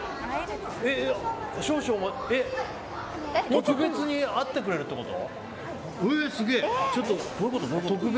特別に会ってくれるってこと？